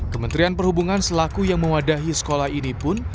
kementerian perhubungan selaku yang mewadahi sekolah ini pun